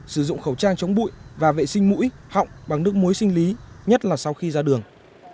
sử dụng khẩu trang chống bụi và vệ sinh mũi họng bằng nước muối sinh lý nhất là sau khi ra đường